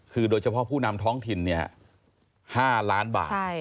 คือโดยเฉพาะผู้นำท้องถิ่น๕ล้านบาท